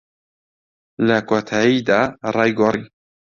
لە کۆتاییدا، ڕای گۆڕی.